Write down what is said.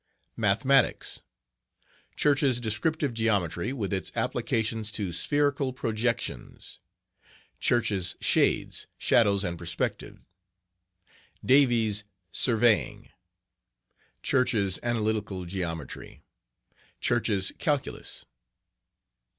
Mathematics...............Church's Descriptive Geometry, with its applications to Spherical Projections. Church's Shades, Shadows and Perspective. Davies' Surveying. Church's Analytical Geometry. Church's Calculus.